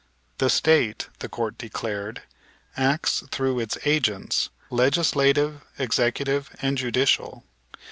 The State, the Court declared, acts through its agents, Legislative, Executive and Judicial.